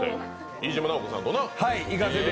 飯島直子さんとな。